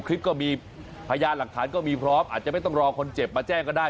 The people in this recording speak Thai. คลิปก็มีพยานหลักฐานก็มีพร้อมอาจจะไม่ต้องรอคนเจ็บมาแจ้งก็ได้